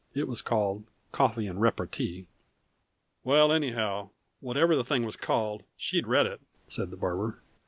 "It was called 'Coffee and Repartee.'" "Well, anyhow, whatever the thing was called, she'd read it," said the barber.